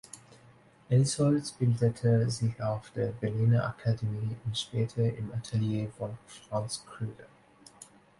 Elsholtz bildete sich auf der Berliner Akademie und später im Atelier von Franz Krüger.